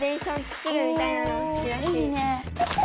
いいね。